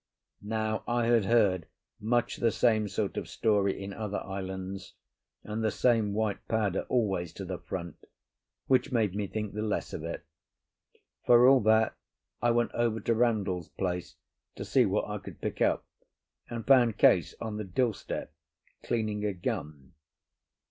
Now I had heard much the same sort of story in other islands, and the same white powder always to the front, which made me think the less of it. For all that, I went over to Randall's place to see what I could pick up, and found Case on the doorstep, cleaning a gun.